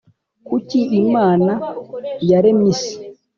Kuki Imana yaremye isi?